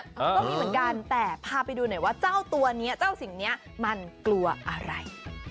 ก็มีเหมือนกันแต่พาไปดูหน่อยว่าเจ้าตัวนี้เจ้าสิ่งนี้มันกลัวอะไร